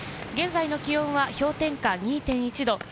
現在の気温は氷点下２．１度。